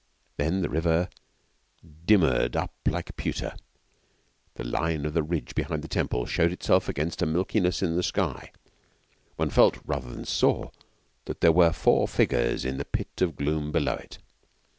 Then the river dimmered up like pewter; the line of the ridge behind the Temple showed itself against a milkiness in the sky; one felt rather than saw that there were four figures in the pit of gloom below it.